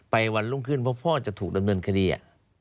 วันรุ่งขึ้นเพราะพ่อจะถูกดำเนินคดี